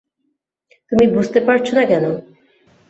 তুমি বুঝতে পারছ না কেন?